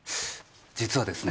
実はですね。